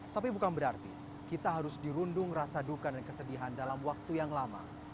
tapi bukan berarti kita harus dirundung rasa duka dan kesedihan dalam waktu yang lama